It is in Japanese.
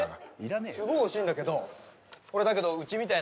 えっすごいおいしいんだけどほらだけどうちみたい